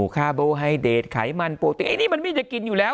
คาโบไฮเดรตไขมันโปรตีนี่มันไม่จะกินอยู่แล้วอ่ะ